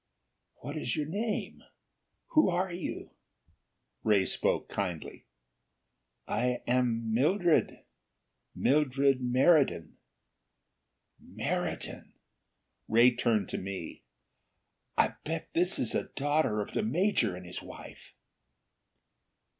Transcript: "What is your name? Who are you?" Ray spoke kindly. "I am Mildred. Mildred Meriden." "Meriden!" Ray turned to me. "I bet this is a daughter of the major and his wife!"